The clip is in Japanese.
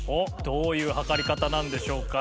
どういう測り方なんでしょうか？